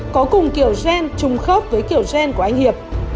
có cùng kiểu gen trùng khớp với kiểu gen của anh hiệp